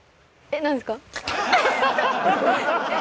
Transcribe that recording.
えっなんですか？